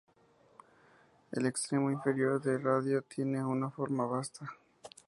El extremo inferior del radio tiene una forma basta.